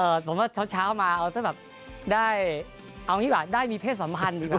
เออผมว่าเช้ามาเอาแบบได้เอาอย่างนี้แหวะได้มีเพศสัมพันธ์ดีกว่า